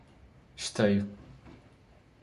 Esteio